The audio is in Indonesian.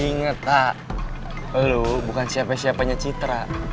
ingat pak lo bukan siapa siapanya citra